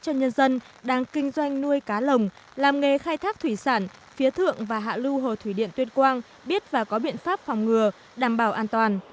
cho nhân dân đang kinh doanh nuôi cá lồng làm nghề khai thác thủy sản phía thượng và hạ lưu hồ thủy điện tuyên quang biết và có biện pháp phòng ngừa đảm bảo an toàn